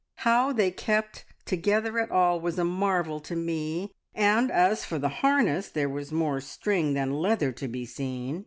How they kept together at all was a marvel to me, and as for the harness, there was more string than leather to be seen.